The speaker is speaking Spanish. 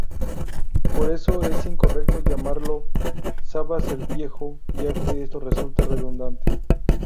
Por eso es incorrecto llamarlo, "Sabas "El Viejo"", ya que esto resulta redundante.